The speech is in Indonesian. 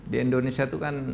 di indonesia itu kan